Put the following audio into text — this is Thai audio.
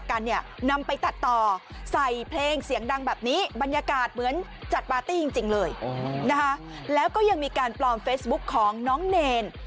เขาก็แบ่งร้องเฟซบุ๊คของน้องเนรน